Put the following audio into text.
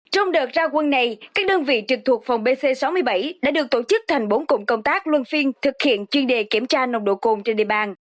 trong đợt ra quân này các đơn vị trực thuộc phòng pc sáu mươi bảy đã được tổ chức thành bốn cụm công tác luân phiên thực hiện chuyên đề kiểm tra nồng độ cồn trên địa bàn